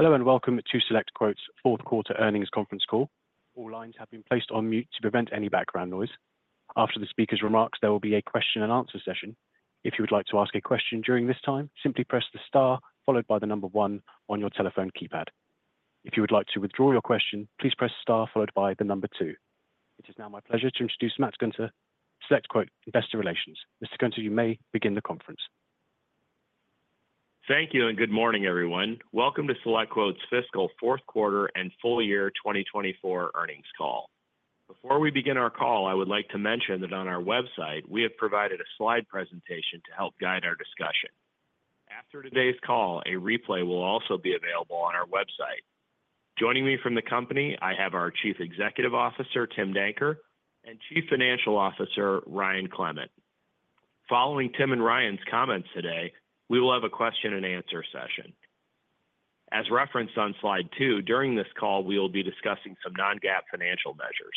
Hello, and welcome to SelectQuote's fourth quarter earnings conference call. All lines have been placed on mute to prevent any background noise. After the speaker's remarks, there will be a question-and-answer session. If you would like to ask a question during this time, simply press the star followed by the number one on your telephone keypad. If you would like to withdraw your question, please press star followed by the number two. It is now my pleasure to introduce Matt Gunter, SelectQuote, Investor Relations. Mr. Gunter, you may begin the conference. Thank you, and good morning, everyone. Welcome to SelectQuote's fiscal fourth quarter and full year twenty twenty-four earnings call. Before we begin our call, I would like to mention that on our website, we have provided a slide presentation to help guide our discussion. After today's call, a replay will also be available on our website. Joining me from the company, I have our Chief Executive Officer, Tim Danker, and Chief Financial Officer, Ryan Clement. Following Tim and Ryan's comments today, we will have a question-and-answer session. As referenced on slide two, during this call, we will be discussing some non-GAAP financial measures.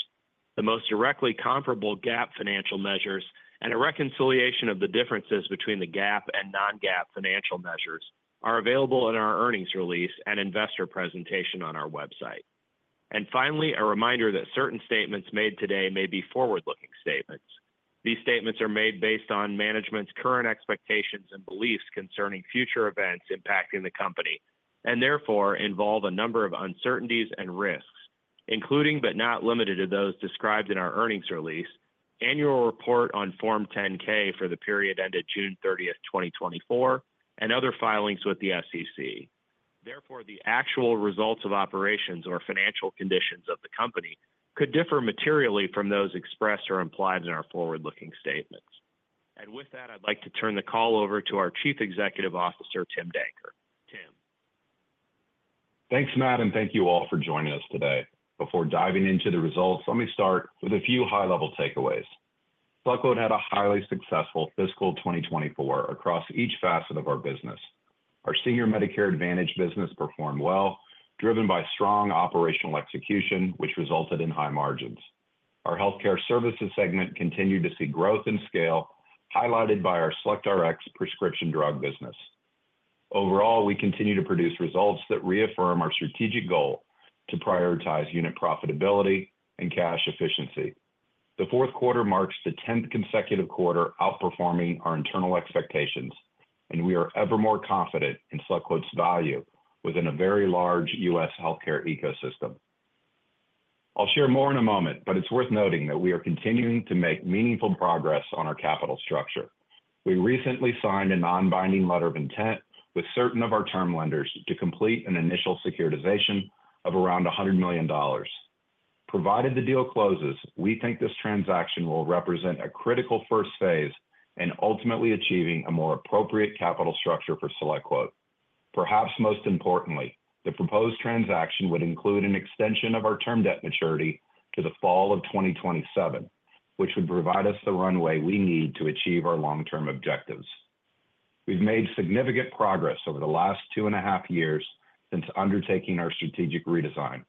The most directly comparable GAAP financial measures and a reconciliation of the differences between the GAAP and non-GAAP financial measures are available in our earnings release and investor presentation on our website. Finally, a reminder that certain statements made today may be forward-looking statements. These statements are made based on management's current expectations and beliefs concerning future events impacting the company, and therefore involve a number of uncertainties and risks, including but not limited to, those described in our earnings release, annual report on Form 10-K for the period ended June thirtieth, twenty twenty-four, and other filings with the SEC. Therefore, the actual results of operations or financial conditions of the company could differ materially from those expressed or implied in our forward-looking statements. And with that, I'd like to turn the call over to our Chief Executive Officer, Tim Danker. Tim? Thanks, Matt, and thank you all for joining us today. Before diving into the results, let me start with a few high-level takeaways. SelectQuote had a highly successful fiscal twenty twenty-four across each facet of our business. Our Senior Medicare Advantage business performed well, driven by strong operational execution, which resulted in high margins. Our Healthcare Services segment continued to see growth and scale, highlighted by our SelectRx prescription drug business. Overall, we continue to produce results that reaffirm our strategic goal to prioritize unit profitability and cash efficiency. The fourth quarter marks the tenth consecutive quarter outperforming our internal expectations, and we are ever more confident in SelectQuote's value within a very large U.S. healthcare ecosystem. I'll share more in a moment, but it's worth noting that we are continuing to make meaningful progress on our capital structure. We recently signed a non-binding letter of intent with certain of our term lenders to complete an initial securitization of around $100 million. Provided the deal closes, we think this transaction will represent a critical first phase in ultimately achieving a more appropriate capital structure for SelectQuote. Perhaps most importantly, the proposed transaction would include an extension of our term debt maturity to the fall of 2027, which would provide us the runway we need to achieve our long-term objectives. We've made significant progress over the last two and a half years since undertaking our strategic redesign.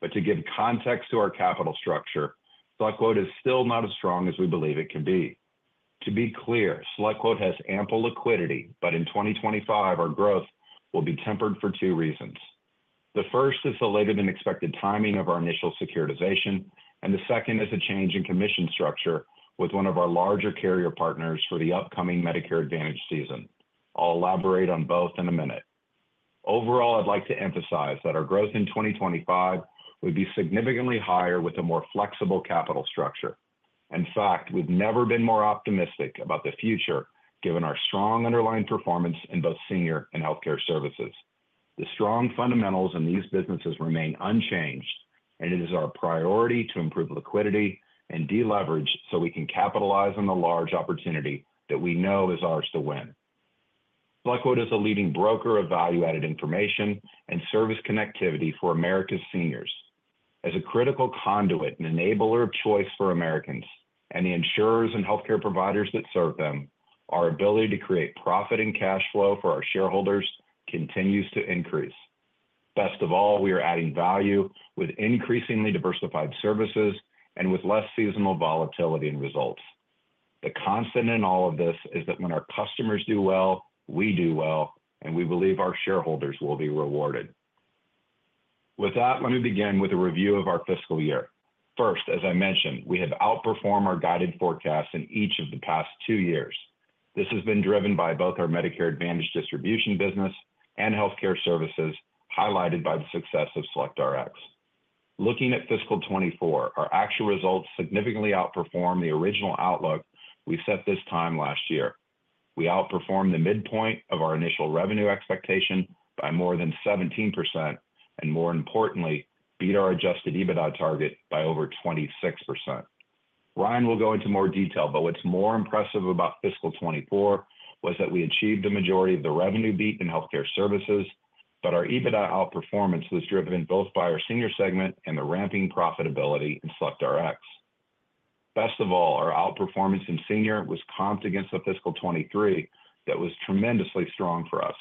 But to give context to our capital structure, SelectQuote is still not as strong as we believe it can be. To be clear, SelectQuote has ample liquidity, but in 2025, our growth will be tempered for two reasons. The first is the later than expected timing of our initial securitization, and the second is a change in commission structure with one of our larger carrier partners for the upcoming Medicare Advantage season. I'll elaborate on both in a minute. Overall, I'd like to emphasize that our growth in twenty twenty-five would be significantly higher with a more flexible capital structure. In fact, we've never been more optimistic about the future, given our strong underlying performance in both Senior and Healthcare Services. The strong fundamentals in these businesses remain unchanged, and it is our priority to improve liquidity and deleverage so we can capitalize on the large opportunity that we know is ours to win. SelectQuote is a leading broker of value-added information and service connectivity for America's Seniors. As a critical conduit and enabler of choice for Americans and the insurers and healthcare providers that serve them, our ability to create profit and cash flow for our shareholders continues to increase. Best of all, we are adding value with increasingly diversified services and with less seasonal volatility and results. The constant in all of this is that when our customers do well, we do well, and we believe our shareholders will be rewarded. With that, let me begin with a review of our fiscal year. First, as I mentioned, we have outperformed our guided forecast in each of the past two years. This has been driven by both our Medicare Advantage distribution, business, and Healthcare Services, highlighted by the success of SelectRx. Looking at fiscal twenty-four, our actual results significantly outperformed the original outlook we set this time last year. We outperformed the midpoint of our initial revenue expectation by more than 17%, and more importantly, beat our Adjusted EBITDA target by over 26%. Ryan will go into more detail, but what's more impressive about fiscal 2024 was that we achieved the majority of the revenue beat in Healthcare Services, but our EBITDA outperformance was driven both by our Senior Segment and the ramping profitability in SelectRx. Best of all, our outperformance in Senior was comped against fiscal 2023 that was tremendously strong for us.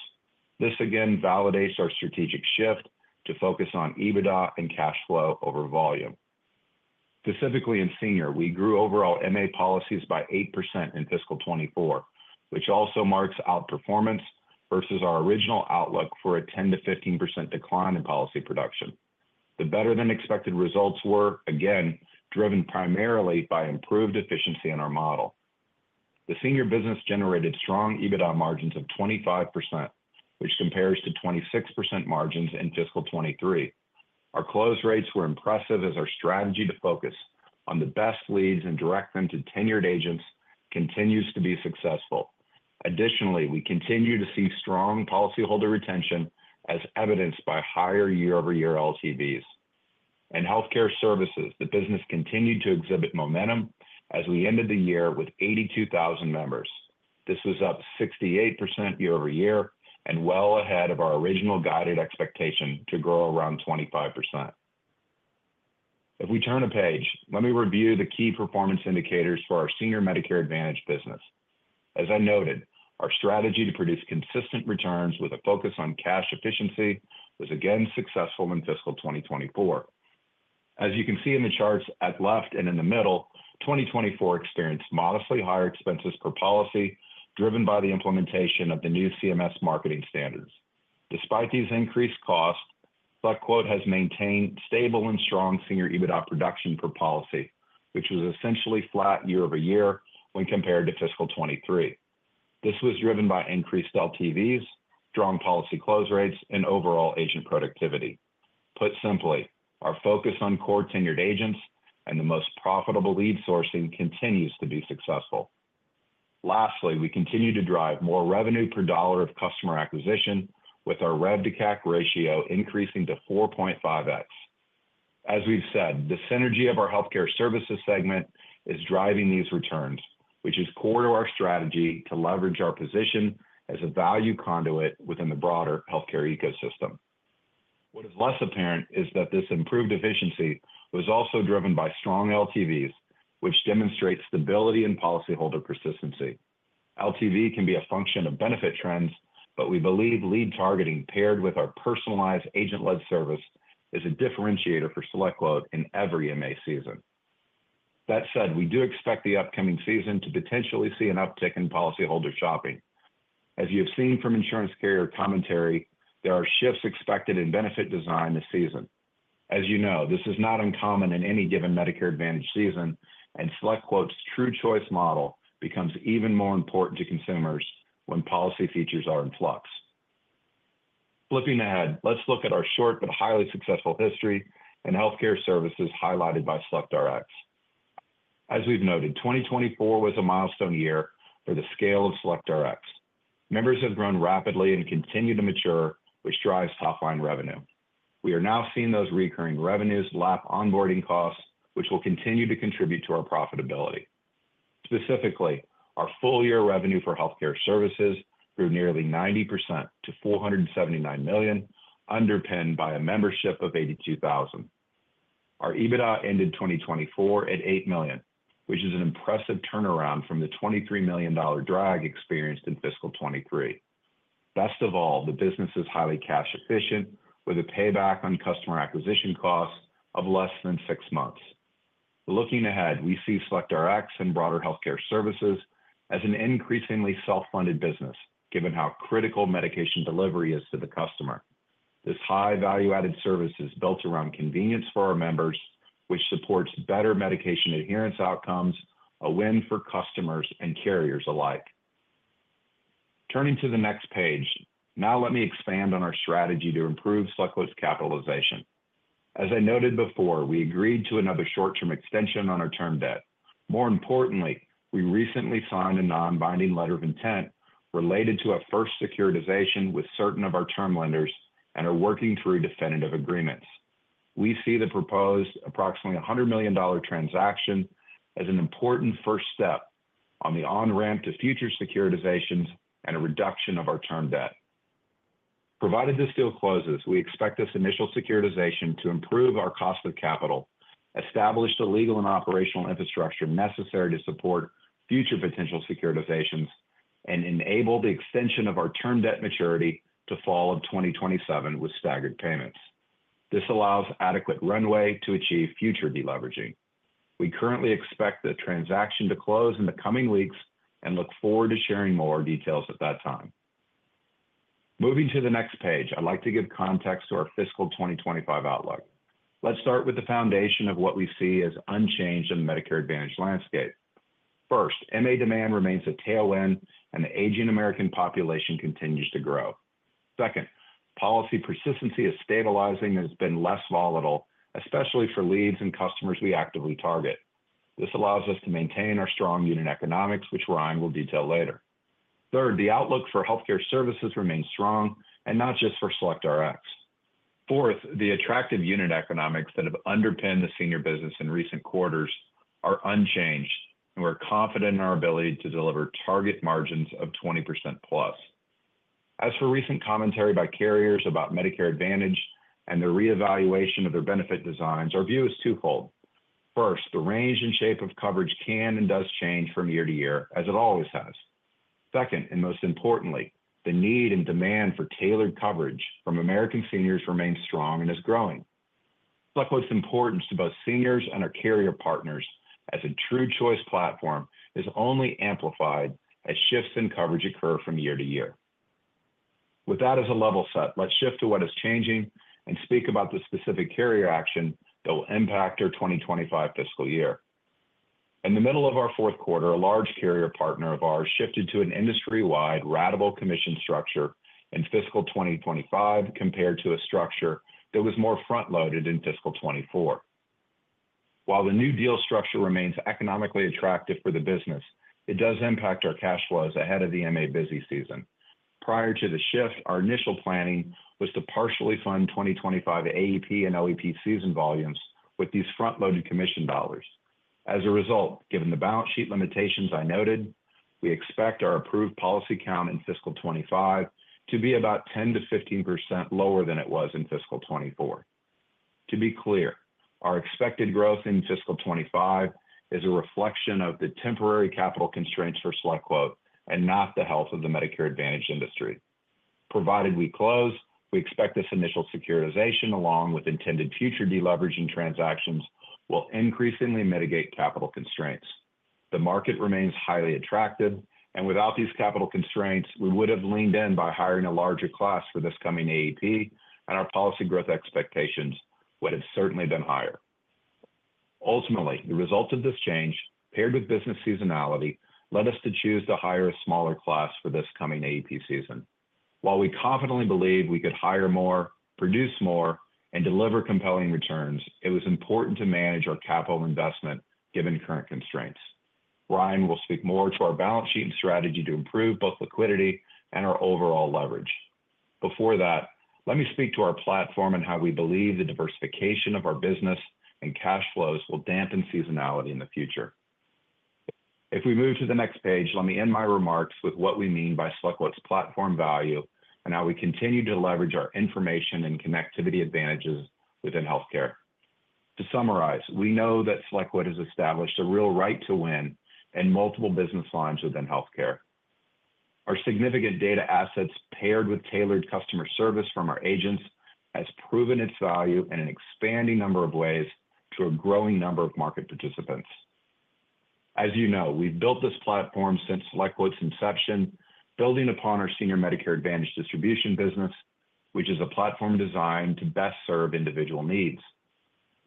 This again validates our strategic shift to focus on EBITDA and cash flow over volume. Specifically in Senior, we grew overall MA policies by 8% in fiscal 2024, which also marks outperformance versus our original outlook for a 10%-15% decline in policy production. The better-than-expected results were, again, driven primarily by improved efficiency in our model. The Senior business generated strong EBITDA margins of 25%, which compares to 26% margins in fiscal 2023. Our close rates were impressive as our strategy to focus on the best leads and direct them to tenured agents continues to be successful. Additionally, we continue to see strong policyholder retention, as evidenced by higher year-over-year LTVs. In Healthcare Services, the business continued to exhibit momentum as we ended the year with 82,000 members. This was up 68% year over year and well ahead of our original guided expectation to grow around 25%. If we turn the page, let me review the key performance indicators for our Senior Medicare Advantage business. As I noted, our strategy to produce consistent returns with a focus on cash efficiency was again successful in fiscal 2024. As you can see in the charts at left and in the middle, 2024 experienced modestly higher expenses per policy, driven by the implementation of the new CMS marketing standards. Despite these increased costs, SelectQuote has maintained stable and strong Senior EBITDA production per policy, which was essentially flat year over year when compared to fiscal 2023. This was driven by increased LTVs, strong policy close rates, and overall agent productivity. Put simply, our focus on core tenured agents and the most profitable lead sourcing continues to be successful. Lastly, we continue to drive more revenue per dollar of customer acquisition, with our rev to CAC ratio increasing to 4.5x. As we've said, the synergy of our Healthcare Services segment is driving these returns, which is core to our strategy to leverage our position as a value conduit within the broader healthcare ecosystem. What is less apparent is that this improved efficiency was also driven by strong LTVs, which demonstrates stability and policyholder persistency. LTV can be a function of benefit trends, but we believe lead targeting paired with our personalized agent-led service is a differentiator for SelectQuote in every MA season. That said, we do expect the upcoming season to potentially see an uptick in policyholder shopping. As you have seen from insurance carrier commentary, there are shifts expected in benefit design this season. As you know, this is not uncommon in any given Medicare Advantage season, and SelectQuote's True Choice model becomes even more important to consumers when policy features are in flux. Flipping ahead, let's look at our short but highly successful history in Healthcare Services, highlighted by SelectRx. As we've noted, twenty twenty-four was a milestone year for the scale of SelectRx. Members have grown rapidly and continue to mature, which drives top-line revenue. We are now seeing those recurring revenues lap onboarding costs, which will continue to contribute to our profitability. Specifically, our full year revenue for Healthcare Services grew nearly 90% to $479 million, underpinned by a membership of 82,000. Our EBITDA ended 2024 at $8 million, which is an impressive turnaround from the $23 million drag experienced in fiscal 2023. Best of all, the business is highly cash efficient, with a payback on customer acquisition costs of less than six months. Looking ahead, we see SelectRx and broader Healthcare Services as an increasingly self-funded business, given how critical medication delivery is to the customer. This high value-added service is built around convenience for our members, which supports better medication adherence outcomes, a win for customers and carriers alike. Turning to the next page. Now, let me expand on our strategy to improve SelectQuote's capitalization. As I noted before, we agreed to another short-term extension on our term debt. More importantly, we recently signed a non-binding letter of intent related to a first securitization with certain of our term lenders and are working through definitive agreements. We see the proposed approximately $100 million transaction as an important first step on the on ramp to future securitizations and a reduction of our term debt. Provided this deal closes, we expect this initial securitization to improve our cost of capital, establish the legal and operational infrastructure necessary to support future potential securitizations, and enable the extension of our term debt maturity to fall of 2027 with staggered payments. This allows adequate runway to achieve future deleveraging. We currently expect the transaction to close in the coming weeks and look forward to sharing more details at that time. Moving to the next page, I'd like to give context to our fiscal 2025 outlook. Let's start with the foundation of what we see as unchanged in the Medicare Advantage landscape. First, MA demand remains a tailwind, and the aging American population continues to grow. Second, policy persistency is stabilizing and has been less volatile, especially for leads and customers we actively target. This allows us to maintain our strong unit economics, which Ryan will detail later. Third, the outlook for Healthcare Services remains strong, and not just for SelectRx. Fourth, the attractive unit economics that have underpinned the Senior business in recent quarters are unchanged, and we're confident in our ability to deliver target margins of 20% plus. As for recent commentary by carriers about Medicare Advantage and the reevaluation of their benefit designs, our view is twofold. First, the range and shape of coverage can and does change from year to year, as it always has.... Second, and most importantly, the need and demand for tailored coverage from American Seniors remains strong and is growing. SelectQuote's importance to both Seniors and our carrier partners as a True Choice platform is only amplified as shifts in coverage occur from year to year. With that as a level set, let's shift to what is changing and speak about the specific carrier action that will impact our 2025 fiscal years. In the middle of our fourth quarter, a large carrier partner of ours shifted to an industry-wide ratable commission structure in fiscal 2025, compared to a structure that was more front-loaded in fiscal 2024. While the new deal structure remains economically attractive for the business, it does impact our cash flows ahead of the MA busy season. Prior to the shift, our initial planning was to partially fund 2025 AEP and OEP season volumes with these front-loaded commission dollars. As a result, given the balance sheet limitations I noted, we expect our approved policy count in fiscal 2025 to be about 10%-15% lower than it was in fiscal 2024. To be clear, our expected growth in fiscal 2025 is a reflection of the temporary capital constraints for SelectQuote, and not the health of the Medicare Advantage industry. Provided we close, we expect this initial securitization, along with intended future deleveraging transactions, will increasingly mitigate capital constraints. The market remains highly attractive, and without these capital constraints, we would have leaned in by hiring a larger class for this coming AEP, and our policy growth expectations would have certainly been higher. Ultimately, the result of this change, paired with business seasonality, led us to choose to hire a smaller class for this coming AEP season. While we confidently believe we could hire more, produce more, and deliver compelling returns, it was important to manage our capital investment given current constraints. Ryan will speak more to our balance sheet and strategy to improve both liquidity and our overall leverage. Before that, let me speak to our platform and how we believe the diversification of our business and cash flows will dampen seasonality in the future. If we move to the next page, let me end my remarks with what we mean by SelectQuote's platform value, and how we continue to leverage our information and connectivity advantages within healthcare. To summarize, we know that SelectQuote has established a real right to win in multiple business lines within healthcare. Our significant data assets, paired with tailored customer service from our agents, has proven its value in an expanding number of ways to a growing number of market participants. As you know, we've built this platform since SelectQuote's inception, building upon our Senior Medicare Advantage distribution business, which is a platform designed to best serve individual needs.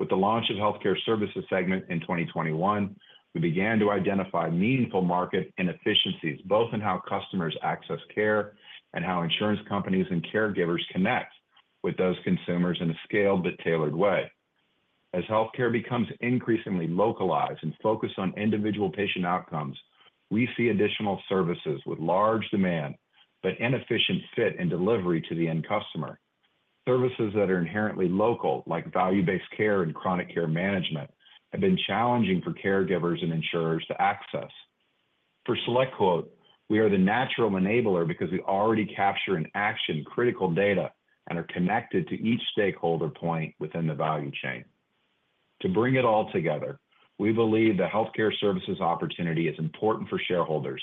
With the launch of Healthcare Services segment in 2021, we began to identify meaningful market inefficiencies, both in how customers access care and how insurance companies and caregivers connect with those consumers in a scaled but tailored way. As healthcare becomes increasingly localized and focused on individual patient outcomes, we see additional services with large demand, but inefficient fit and delivery to the end customer. Services that are inherently local, like value-based care and chronic care management, have been challenging for caregivers and insurers to access. For SelectQuote, we are the natural enabler because we already capture and action critical data and are connected to each stakeholder point within the value chain. To bring it all together, we believe the Healthcare Services opportunity is important for shareholders,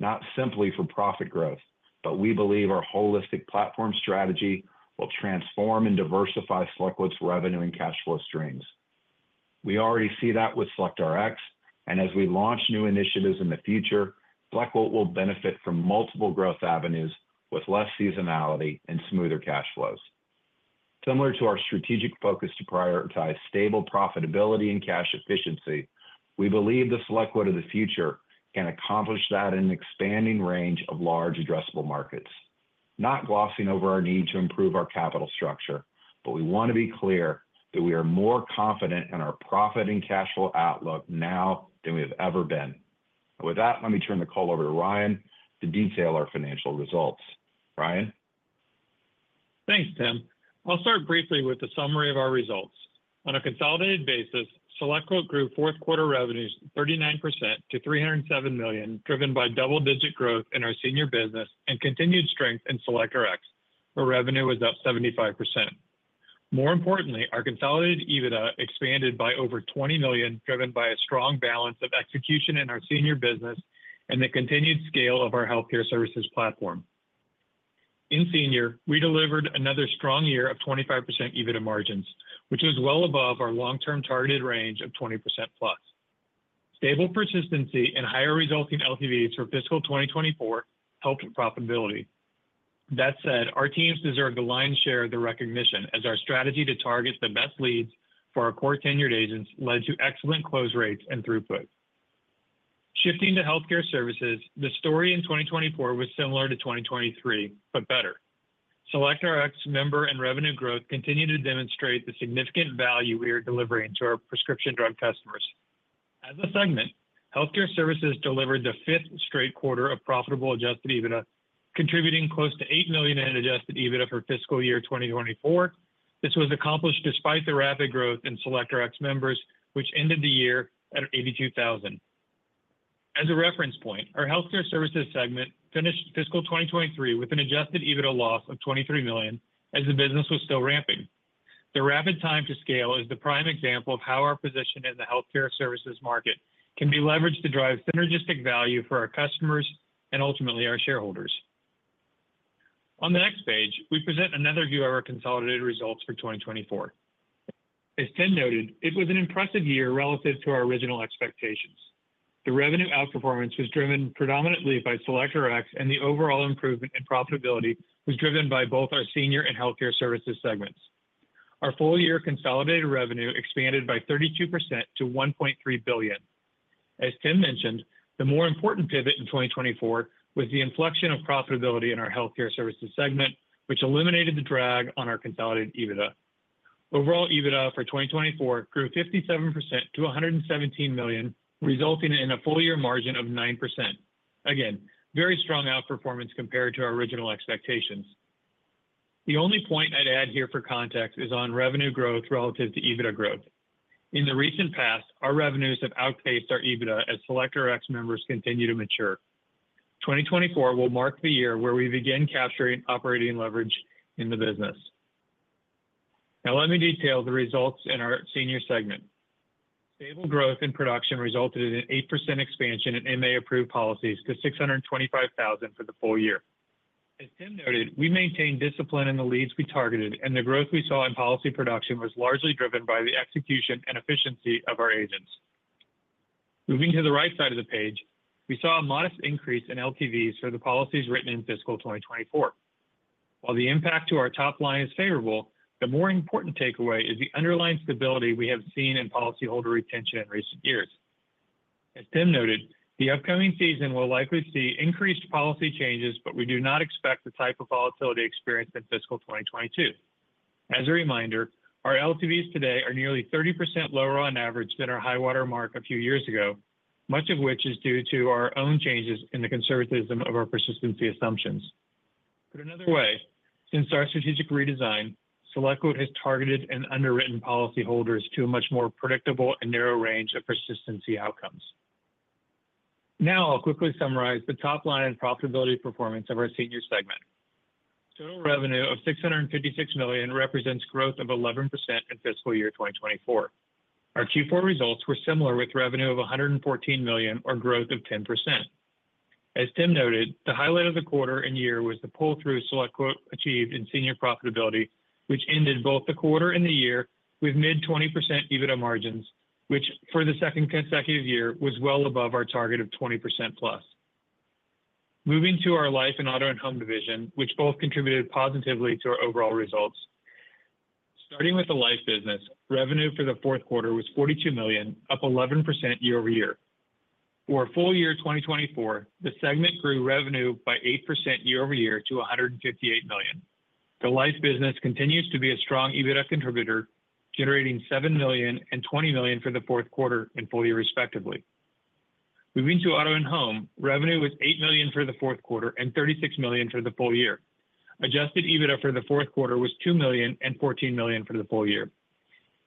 not simply for-profit growth, but we believe our holistic platform strategy will transform and diversify SelectQuote's revenue and cash flow streams. We already see that with SelectRx, and as we launch new initiatives in the future, SelectQuote will benefit from multiple growth avenues with less seasonality and smoother cash flows. Similar to our strategic focus to prioritize stable profitability and cash efficiency, we believe the SelectQuote of the future can accomplish that in an expanding range of large addressable markets. Not glossing over our need to improve our capital structure, but we want to be clear that we are more confident in our profit and cash flow outlook now than we have ever been. And with that, let me turn the call over to Ryan to detail our financial results. Ryan? Thanks, Tim. I'll start briefly with a summary of our results. On a consolidated basis, SelectQuote grew fourth quarter revenues 39% to $307 million, driven by double-digit growth in our Senior business and continued strength in SelectRx, where revenue was up 75%. More importantly, our consolidated EBITDA expanded by over $20 million, driven by a strong balance of execution in our Senior business and the continued scale of our Healthcare Services platform. In Senior, we delivered another strong year of 25% EBITDA margins, which is well above our long-term targeted range of 20% plus. Stable persistency and higher resulting LTVs for fiscal 2024 helped profitability. That said, our teams deserve the lion's share of the recognition, as our strategy to target the best leads for our core tenured agents led to excellent close rates and throughput. Shifting to Healthcare Services, the story in twenty twenty-four was similar to twenty twenty-three, but better. SelectRx member and revenue growth continued to demonstrate the significant value we are delivering to our prescription drug customers. As a segment, Healthcare Services delivered the fifth straight quarter of profitable Adjusted EBITDA, contributing close to $8 million in Adjusted EBITDA for fiscal year twenty twenty-four. This was accomplished despite the rapid growth in SelectRx members, which ended the year at 82,000. As a reference point, our Healthcare Services segment finished fiscal twenty twenty-three with an Adjusted EBITDA loss of $23 million, as the business was still ramping. The rapid time to scale is the prime example of how our position in the Healthcare Services market can be leveraged to drive synergistic value for our customers and ultimately, our shareholders. On the next page, we present another view of our consolidated results for twenty twenty-four. As Tim noted, it was an impressive year relative to our original expectations. The revenue outperformance was driven predominantly by SelectRx, and the overall improvement in profitability was driven by both our Senior and Healthcare Services segments. Our full year consolidated revenue expanded by 32% to $1.3 billion. As Tim mentioned, the more important pivot in twenty twenty-four was the inflection of profitability in our Healthcare Services segment, which eliminated the drag on our consolidated EBITDA. Overall, EBITDA for twenty twenty-four grew 57% to $117 million, resulting in a full year margin of 9%. Again, very strong outperformance compared to our original expectations. The only point I'd add here for context is on revenue growth relative to EBITDA growth. In the recent past, our revenues have outpaced our EBITDA as SelectRx members continue to mature. Twenty twenty-four will mark the year where we begin capturing operating leverage in the business. Now, let me detail the results in our Senior segment. Stable growth in production resulted in an 8% expansion in MA-approved policies to 625,000 for the full year. As Tim noted, we maintained discipline in the leads we targeted, and the growth we saw in policy production was largely driven by the execution and efficiency of our agents. Moving to the right side of the page, we saw a modest increase in LTVs for the policies written in fiscal twenty twenty-four. While the impact to our top line is favorable, the more important takeaway is the underlying stability we have seen in policyholder retention in recent years. As Tim noted, the upcoming season will likely see increased policy changes, but we do not expect the type of volatility experienced in fiscal 2022. As a reminder, our LTVs today are nearly 30% lower on average than our high water mark a few years ago, much of which is due to our own changes in the conservatism of our persistency assumptions. Put another way, since our strategic redesign, SelectQuote has targeted and underwritten policyholders to a much more predictable and narrow range of persistency outcomes. Now, I'll quickly summarize the top line and profitability performance of our Senior segment. Total revenue of $656 million represents growth of 11% in fiscal year 2024. Our Q4 results were similar, with revenue of $114 million, or growth of 10%. As Tim noted, the highlight of the quarter and year was the pull-through SelectQuote achieved in Senior profitability, which ended both the quarter and the year with mid-20% EBITDA margins, which for the second consecutive year, was well above our target of 20% plus. Moving to our Life and Auto and Home division, which both contributed positively to our overall results. Starting with the Life business, revenue for the fourth quarter was $42 million, up 11% year over year. For full year 2024, the segment grew revenue by 8% year over year to $158 million. The Life business continues to be a strong EBITDA contributor, generating $7 million and $20 million for the fourth quarter and full year respectively. Moving to Auto and Home, revenue was $8 million for the fourth quarter and $36 million for the full year. Adjusted EBITDA for the fourth quarter was $2 million and $14 million for the full year.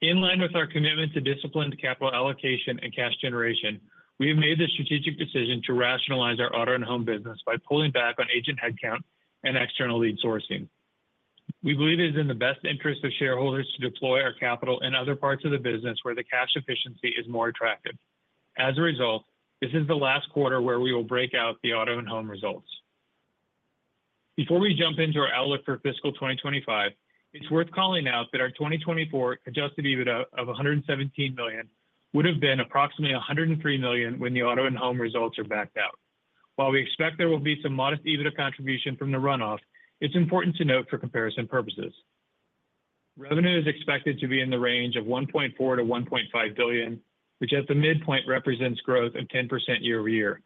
In line with our commitment to disciplined capital allocation and cash generation, we have made the strategic decision to rationalize our Auto and Home business by pulling back on agent headcount and external lead sourcing. We believe it is in the best interest of shareholders to deploy our capital in other parts of the business where the cash efficiency is more attractive. As a result, this is the last quarter where we will break out the Auto and Home results. Before we jump into our outlook for fiscal 2025, it's worth calling out that our 2024 adjusted EBITDA of $117 million would have been approximately $103 million when the Auto and Home results are backed out. While we expect there will be some modest EBITDA contribution from the runoff, it's important to note for comparison purposes. Revenue is expected to be in the range of $1.4-$1.5 billion, which at the midpoint represents growth of 10% year over year.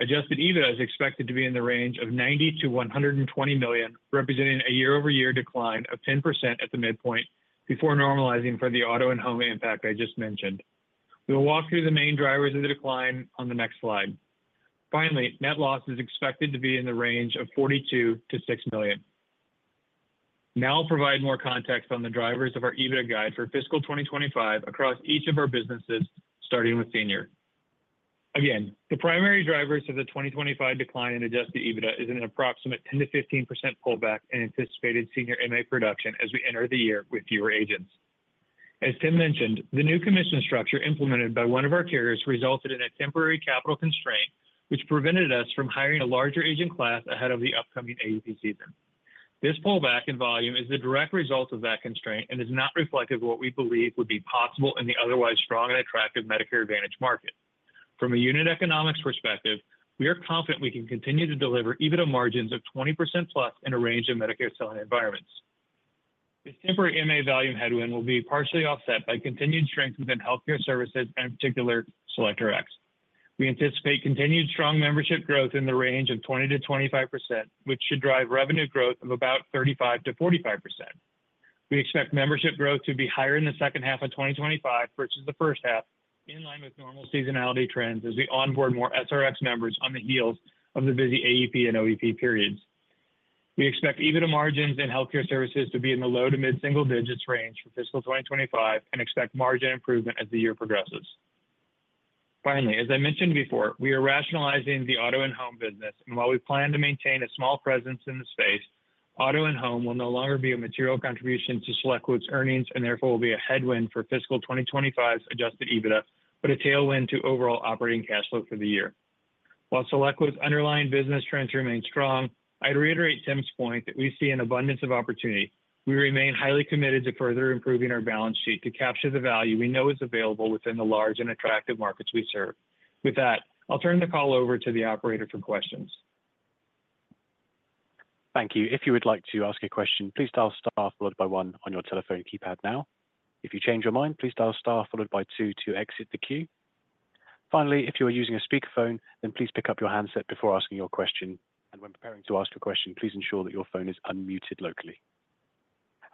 Adjusted EBITDA is expected to be in the range of $90-$120 million, representing a year over year decline of 10% at the midpoint before normalizing for the Auto and Home impact I just mentioned. We will walk through the main drivers of the decline on the next slide. Finally, net loss is expected to be in the range of $42-$6 million. Now, I'll provide more context on the drivers of our EBITDA guide for fiscal 2025 across each of our businesses, starting with Senior. Again, the primary drivers of the 2025 decline in adjusted EBITDA is an approximate 10%-15% pullback in anticipated Senior MA production as we enter the year with fewer agents. As Tim mentioned, the new commission structure implemented by one of our carriers resulted in a temporary capital constraint, which prevented us from hiring a larger agent class ahead of the upcoming AEP season. This pullback in volume is the direct result of that constraint and is not reflective of what we believe would be possible in the otherwise strong and attractive Medicare Advantage market. From a unit economics perspective, we are confident we can continue to deliver EBITDA margins of 20% plus in a range of Medicare selling environments. This temporary MA volume headwind will be partially offset by continued strength within Healthcare Services, and in particular, SelectRx. We anticipate continued strong membership growth in the range of 20-25%, which should drive revenue growth of about 35-45%. We expect membership growth to be higher in the second half of 2025 versus the first half, in line with normal seasonality trends, as we onboard more SRX members on the heels of the busy AEP and OEP periods. We expect EBITDA margins in Healthcare Services to be in the low- to mid-single-digits range for fiscal 2025 and expect margin improvement as the year progresses. Finally, as I mentioned before, we are rationalizing the Auto and Home business, and while we plan to maintain a small presence in the space, Auto and Home will no longer be a material contribution to SelectQuote's earnings, and therefore, will be a headwind for fiscal 2025's Adjusted EBITDA, but a tailwind to overall operating cash flow for the year. While SelectQuote's underlying business trends remain strong, I'd reiterate Tim's point that we see an abundance of opportunity. We remain highly committed to further improving our balance sheet to capture the value we know is available within the large and attractive markets we serve. With that, I'll turn the call over to the operator for questions. Thank you. If you would like to ask a question, please dial star followed by one on your telephone keypad now. If you change your mind, please dial star followed by two to exit the queue. Finally, if you are using a speakerphone, then please pick up your handset before asking your question, and when preparing to ask a question, please ensure that your phone is unmuted locally.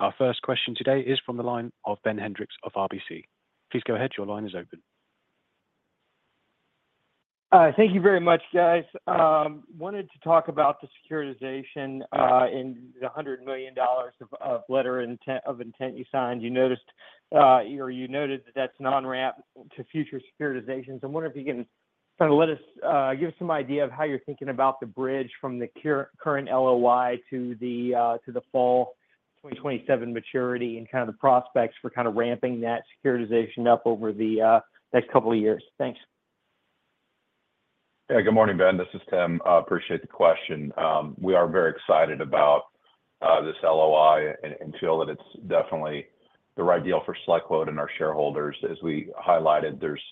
Our first question today is from the line of Ben Hendrix of RBC. Please go ahead. Your line is open. Thank you very much, guys. Wanted to talk about the securitization in the $100 million of letter of intent you signed. You noticed or you noted that that's an on ramp to future securitizations. I'm wondering if you can kind of let us give us some idea of how you're thinking about the bridge from the current LOI to the fall 2027 maturity and kind of the prospects for kind of ramping that securitization up over the next couple of years. Thanks. Yeah. Good morning, Ben. This is Tim. Appreciate the question. We are very excited about this LOI and feel that it's definitely the right deal for SelectQuote and our shareholders. As we highlighted, there's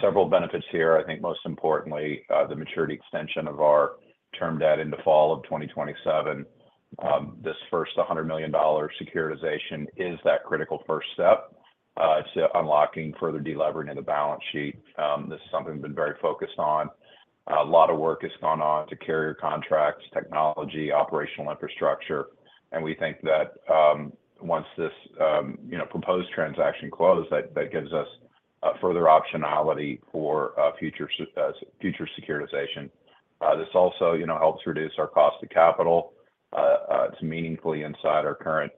several benefits here. I think most importantly, the maturity extension of our term debt into fall of 2027. This first $100 million securitization is that critical first step to unlocking further delevering in the balance sheet. This is something we've been very focused on. A lot of work has gone on to carrier contracts, technology, operational infrastructure, and we think that once this you know proposed transaction closes, that gives us further optionality for future securitization. This also you know helps reduce our cost of capital. It's meaningfully inside our current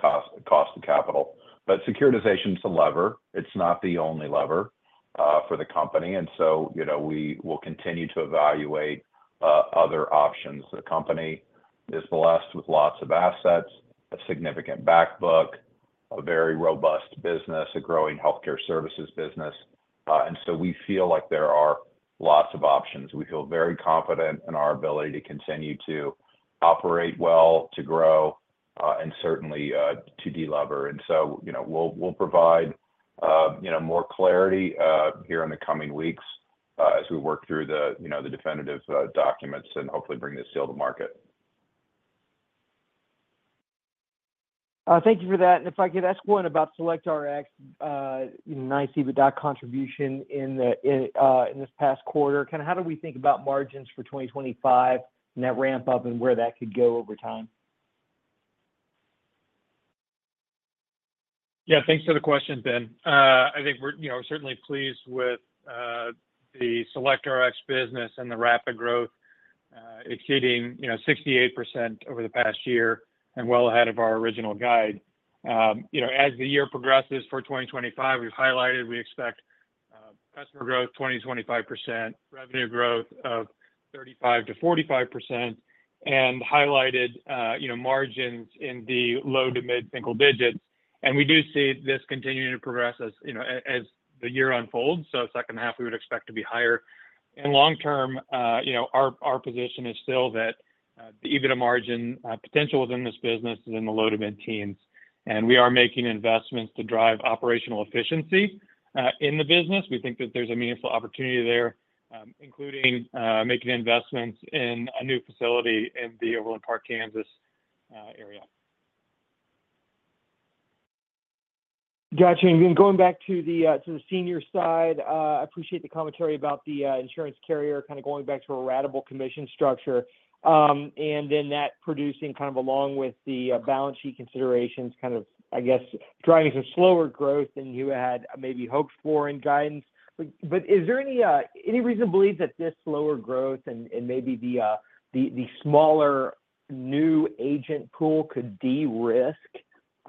cost of capital. But securitization is a lever. It's not the only lever for the company, and so, you know, we will continue to evaluate other options. The company is blessed with lots of assets, a significant backbook, a very robust business, a growing Healthcare Services business, and so we feel like there are lots of options. We feel very confident in our ability to continue to operate well, to grow, and certainly to delever. And so, you know, we'll provide you know, more clarity here in the coming weeks as we work through the you know, the definitive documents, and hopefully bring this deal to market. Thank you for that, and if I could ask one about SelectRx, you know, nice EBITDA contribution in this past quarter. Kinda how do we think about margins for 2025, and that ramp up and where that could go over time? Yeah, thanks for the question, Ben. I think we're, you know, certainly pleased with the SelectRx business and the rapid growth. It's hitting, you know, 68% over the past year and well ahead of our original guide. You know, as the year progresses for 2025, we've highlighted we expect customer growth 20-25%, revenue growth of 35-45%, and highlighted, you know, margins in the low to mid-single digits. We do see this continuing to progress as, you know, as the year unfolds, so second half, we would expect to be higher. Long term, you know, our position is still that the EBITDA margin potential within this business is in the low to mid-teens, and we are making investments to drive operational efficiency in the business. We think that there's a meaningful opportunity there, including making investments in a new facility in the Overland Park, Kansas, area. Got you. And then going back to the Senior side, I appreciate the commentary about the insurance carrier kind of going back to a ratable commission structure, and then that producing kind of along with the balance sheet considerations, kind of, I guess, driving some slower growth than you had maybe hoped for in guidance. But is there any reason to believe that this slower growth and maybe the smaller new agent pool could de-risk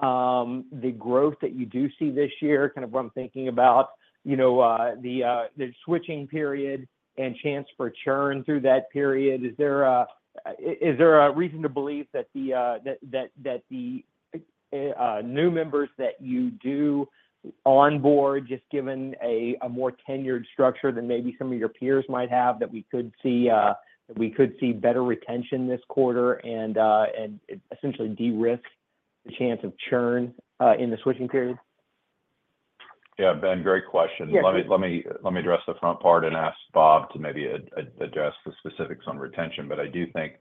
the growth that you do see this year? Kind of what I'm thinking about, you know, the switching period and chance for churn through that period. Is there a reason to believe that the new members that you do onboard, just given a more tenured structure than maybe some of your peers might have, that we could see better retention this quarter and essentially de-risk the chance of churn in the switching period? Yeah, Ben, great question. Yeah. Let me address the front part and ask Bob to maybe address the specifics on retention. But I do think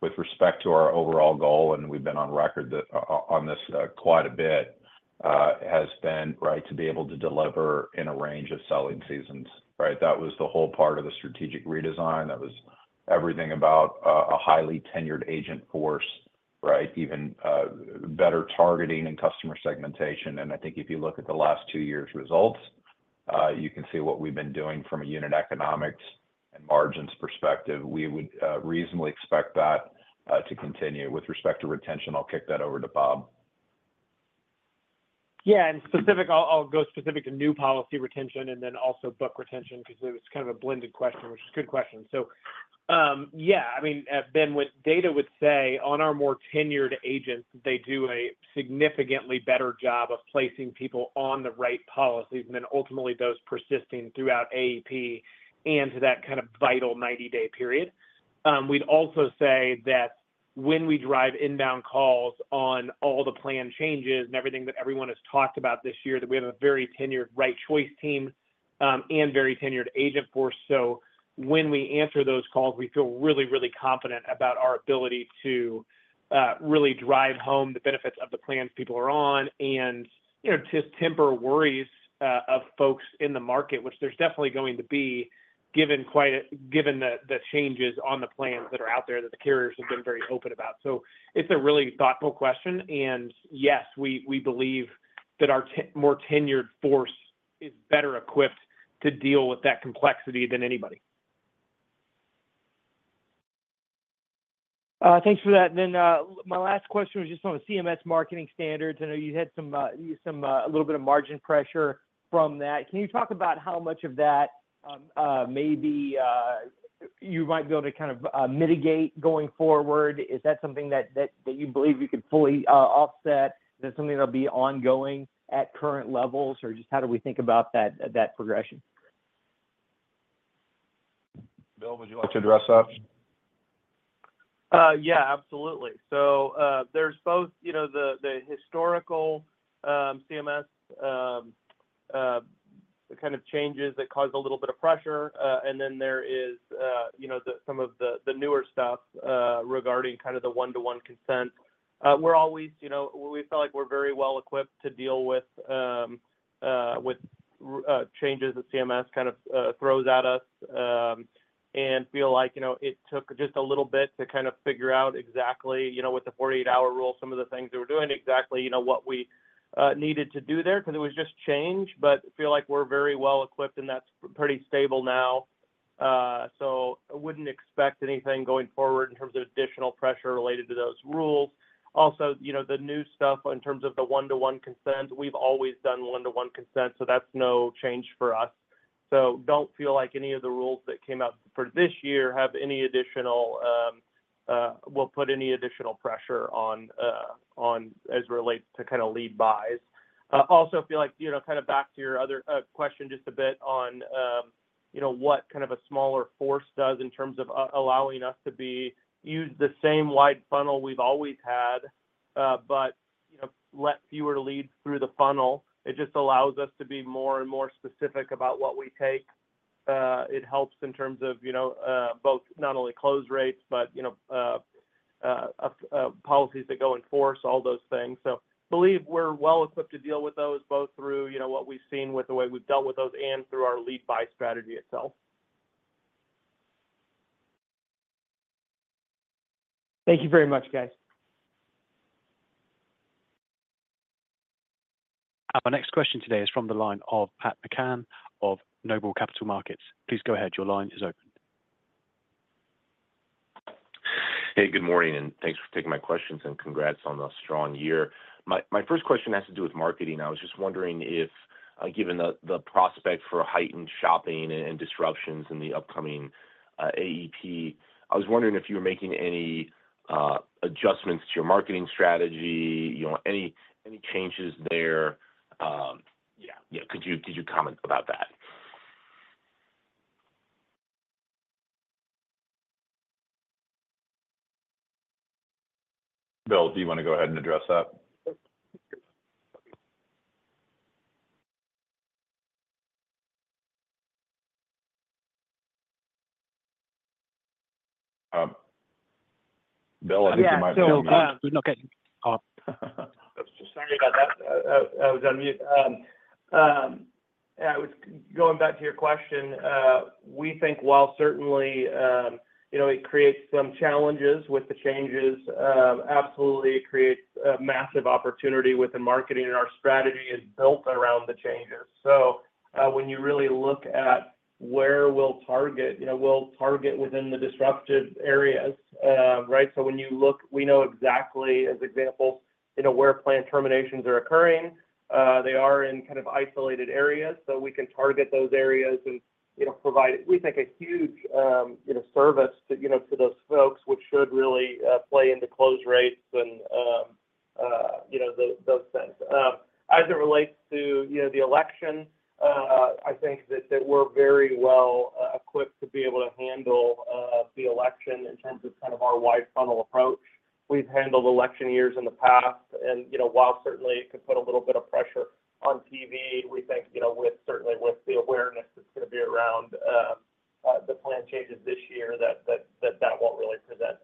with respect to our overall goal, and we've been on record that on this quite a bit has been, right, to be able to deliver in a range of selling seasons, right? That was the whole part of the strategic redesign. That was everything about a highly tenured agent force, right? Even better targeting and customer segmentation. And I think if you look at the last two years' results, you can see what we've been doing from a unit economics and margins perspective. We would reasonably expect that to continue. With respect to retention, I'll kick that over to Bob. ... Yeah, and specific, I'll go specific to new policy retention and then also book retention, because it was kind of a blended question, which is a good question. So, yeah, I mean, Ben, what data would say on our more tenured agents, they do a significantly better job of placing people on the right policies, and then ultimately, those persisting throughout AEP and to that kind of vital ninety-day period. We'd also say that when we drive inbound calls on all the plan changes and everything that everyone has talked about this year, that we have a very tenured right choice team, and very tenured agent force. So when we answer those calls, we feel really, really confident about our ability to really drive home the benefits of the plans people are on, and you know, just temper worries of folks in the market, which there's definitely going to be, given the changes on the plans that are out there that the carriers have been very open about. So, it's a really thoughtful question, and yes, we believe that our more tenured force is better equipped to deal with that complexity than anybody. Thanks for that. Then, my last question was just on the CMS marketing standards. I know you had some a little bit of margin pressure from that. Can you talk about how much of that, maybe, you might be able to kind of mitigate going forward? Is that something that you believe you could fully offset? Is that something that'll be ongoing at current levels, or just how do we think about that progression? Bill, would you like to address that? Yeah, absolutely. So, there's both, you know, the, the historical, CMS, the kind of changes that cause a little bit of pressure, and then there is, you know, the, some of the, the newer stuff, regarding kind of the one-to-one consent. We're always, you know, we feel like we're very well equipped to deal with, with changes that CMS kind of throws at us, and feel like, you know, it took just a little bit to kind of figure out exactly, you know, with the 48-hour rule, some of the things they were doing, exactly, you know, what we needed to do there because it was just change, but feel like we're very well equipped, and that's pretty stable now. So, I wouldn't expect anything going forward in terms of additional pressure related to those rules. Also, you know, the new stuff in terms of the one-to-one consent, we've always done one-to-one consent, so that's no change for us. So don't feel like any of the rules that came out for this year have any additional, will put any additional pressure on as it relates to kind of lead buys. Also feel like, you know, kind of back to your other question just a bit on, you know, what kind of a smaller force does in terms of allowing us to use the same wide funnel we've always had, but, you know, let fewer leads through the funnel. It just allows us to be more and more specific about what we take. It helps in terms of, you know, both not only close rates, but, you know, policies that go in force, all those things. So, believe we're well equipped to deal with those, both through, you know, what we've seen with the way we've dealt with those and through our lead buy strategy itself. Thank you very much, guys. Our next question today is from the line of Pat McCann of Noble Capital Markets. Please go ahead. Your line is open. Hey, good morning, and thanks for taking my questions, and congrats on a strong year. My first question has to do with marketing. I was just wondering if, given the prospect for heightened shopping and disruptions in the upcoming AEP, I was wondering if you were making any adjustments to your marketing strategy, you know, any changes there? Yeah, could you comment about that? Bill, do you want to go ahead and address that? Bill, I think you might- Bill, okay. Sorry about that. I was on mute. I was going back to your question, we think while certainly, you know, it creates some challenges with the changes, absolutely, it creates a massive opportunity with the marketing, and our strategy is built around the changes. So, when you really look at where we'll target, you know, we'll target within the disruptive areas, right? So, when you look, we know exactly, as example, you know, where plan terminations are occurring. They are in kind of isolated areas, so we can target those areas and, you know, provide, we think, a huge, you know, service to, you know, to those folks, which should really play into close rates and, you know, those things. As it relates to, you know, the election, I think that we're very well equipped to be able to handle the election in terms of kind of our wide funnel approach. We've handled election years in the past, and, you know, while certainly it could put a little bit of pressure on TV, we think, you know, with certainly, with the awareness that's going to be around, the plan changes this year, that that won't really present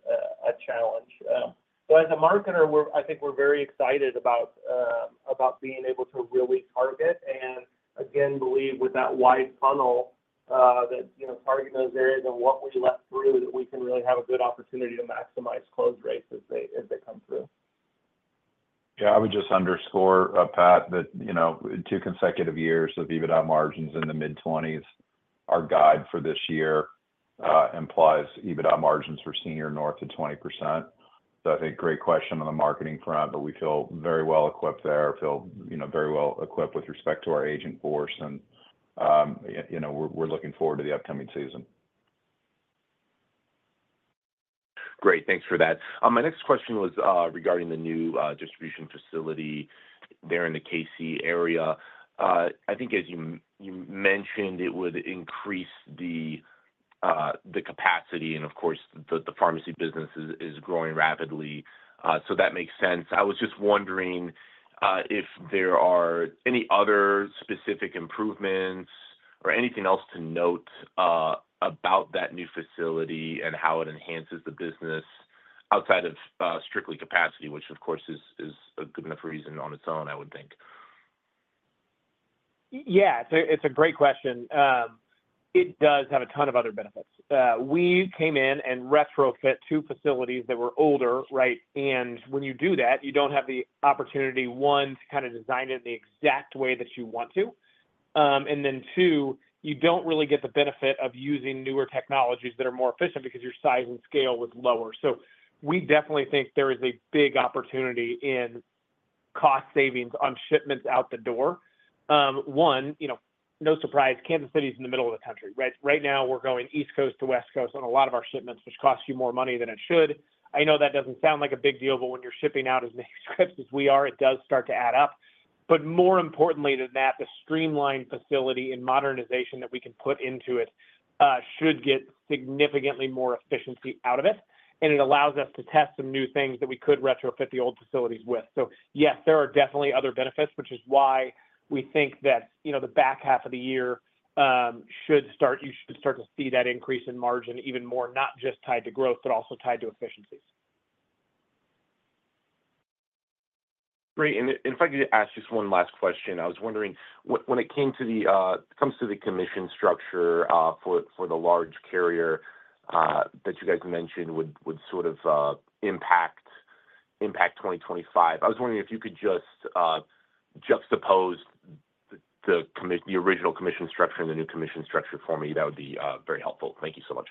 a challenge. But as a marketer, we're I think we're very excited about about being able to really target and, again, believe with that wide funnel, that, you know, target those areas and what we let through, that we can really have a good opportunity to maximize close rates as they come through. Yeah, I would just underscore, Pat, that, you know, two consecutive years of EBITDA margins in the mid-twenties, our guide for this year, implies EBITDA margins for Senior north of 20%. So, I think great question on the marketing front, but we feel very well-equipped there, you know, very well-equipped with respect to our agent force. And, you know, we're looking forward to the upcoming season. Great, thanks for that. My next question was regarding the new distribution facility there in the KC area. I think as you mentioned, it would increase the capacity, and of course, the pharmacy business is growing rapidly. So that makes sense. I was just wondering if there are any other specific improvements or anything else to note about that new facility and how it enhances the business outside of strictly capacity, which of course is a good enough reason on its own, I would think. Yeah, it's a great question. It does have a ton of other benefits. We came in and retrofit two facilities that were older, right? And when you do that, you don't have the opportunity, one, to kind of design it in the exact way that you want to. And then two, you don't really get the benefit of using newer technologies that are more efficient because your size and scale was lower. So, we definitely think there is a big opportunity in cost savings on shipments out the door. One, you know, no surprise, Kansas City is in the middle of the country, right? Right now, we're going East Coast to West Coast on a lot of our shipments, which costs you more money than it should. I know that doesn't sound like a big deal, but when you're shipping out as many scripts as we are, it does start to add up. But more importantly than that, the streamlined facility and modernization that we can put into it should get significantly more efficiency out of it, and it allows us to test some new things that we could retrofit the old facilities with. So yes, there are definitely other benefits, which is why we think that, you know, the back half of the year should start to see that increase in margin even more, not just tied to growth, but also tied to efficiencies. Great. And if I could ask just one last question. I was wondering, when it comes to the commission structure for the large carrier that you guys mentioned would sort of impact twenty twenty-five. I was wondering if you could just juxtapose the original commission structure and the new commission structure for me, that would be very helpful. Thank you so much.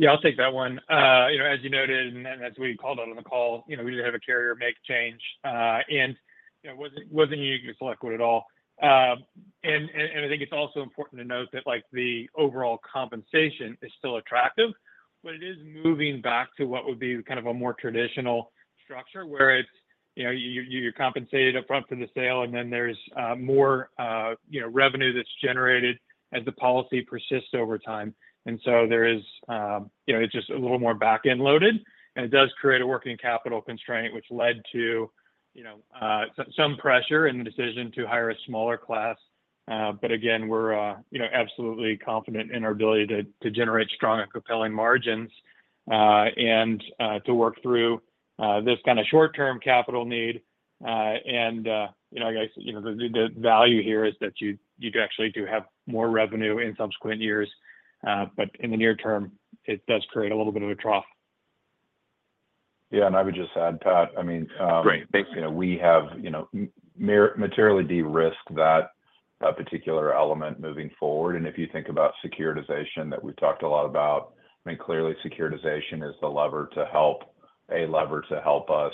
Yeah, I'll take that one. You know, as you noted, and as we called out on the call, you know, we did have a carrier make a change, and it wasn't unique to SelectQuote at all. And I think it's also important to note that, like, the overall compensation is still attractive, but it is moving back to what would be kind of a more traditional structure, where it's, you know, you're compensated upfront for the sale, and then there's more, you know, revenue that's generated as the policy persists over time. And so, there is, you know, it's just a little more back-end loaded, and it does create a working capital constraint, which led to, you know, some pressure in the decision to hire a smaller class. But again, we're, you know, absolutely confident in our ability to generate strong and compelling margins, and to work through this kind of short-term capital need. And, you know, like I said, you know, the value here is that you actually do have more revenue in subsequent years, but in the near term, it does create a little bit of a trough. Yeah, and I would just add, Pat, I mean, Great, thanks... you know, we have, you know, materially de-risked that particular element moving forward. And if you think about securitization, that we've talked a lot about, I mean, clearly, securitization is a lever to help us,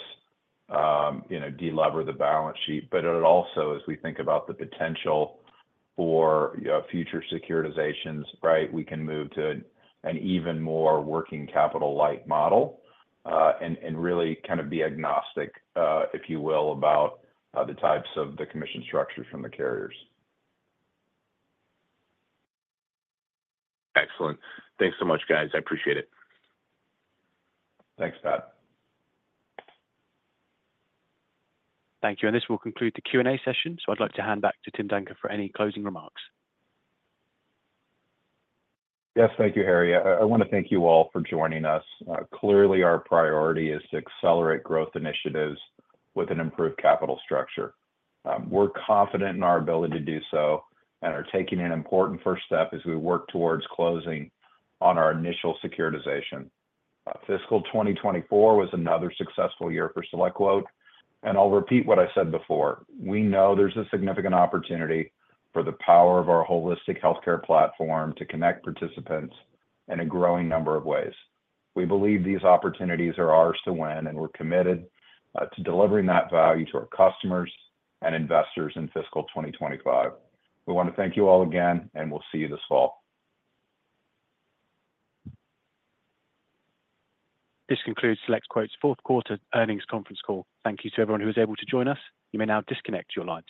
you know, delever the balance sheet. But it also, as we think about the potential for future securitizations, right? We can move to an even more working capital light model, and really kind of be agnostic, if you will, about the types of the commission structures from the carriers. Excellent. Thanks so much, guys. I appreciate it. Thanks, Pat. Thank you. And this will conclude the Q&A session, so I'd like to hand back to Tim Danker for any closing remarks. Yes, thank you, Harry. I wanna thank you all for joining us. Clearly, our priority is to accelerate growth initiatives with an improved capital structure. We're confident in our ability to do so and are taking an important first step as we work towards closing on our initial securitization. Fiscal 2024 was another successful year for SelectQuote, and I'll repeat what I said before: We know there's a significant opportunity for the power of our holistic healthcare platform to connect participants in a growing number of ways. We believe these opportunities are ours to win, and we're committed to delivering that value to our customers and investors in fiscal 2025. We want to thank you all again, and we'll see you this fall. This concludes SelectQuote's fourth quarter earnings conference call. Thank you to everyone who was able to join us. You may now disconnect your lines.